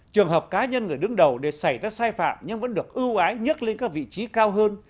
trường hợp cá nhân người đứng đầu để xảy ra sai phạm nhưng vẫn được ưu ái nhấc lên các vị trí cao hơn